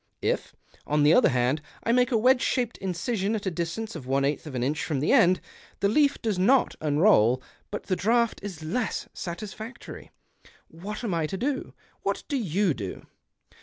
If, on the other hand, I make a wedge shaped incision, at a distance of one eighth of an inch from the end, the leaf does not unroll, but the draught is less satisfactory. "What am I to do ? What do you do